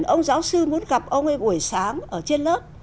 ông giáo sư muốn gặp ông ấy buổi sáng ở trên lớp